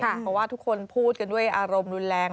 เพราะว่าทุกคนพูดกันด้วยอารมณ์รุนแรง